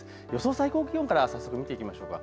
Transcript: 最高気温から早速見ていきましょう。